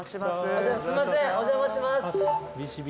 すいませんお邪魔します。